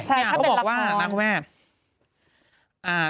ใช่ถ้าเป็นลักษณ์